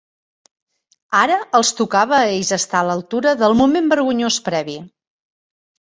Ara els tocava a ells estar a l'altura del moment vergonyós previ.